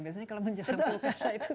biasanya kalau menjelang pilkada itu